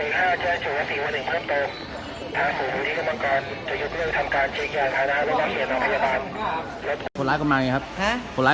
พวกพวกผู้ไทยจะมีคนมาต่อการประกาศ